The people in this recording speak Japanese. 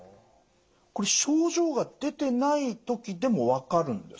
これ症状が出てない時でも分かるんですか？